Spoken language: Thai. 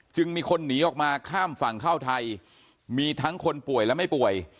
มีคนหนีออกมาข้ามฝั่งเข้าไทยมีทั้งคนป่วยและไม่ป่วย